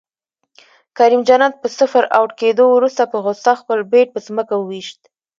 کریم جنت په صفر اؤټ کیدو وروسته په غصه خپل بیټ په ځمکه وویشت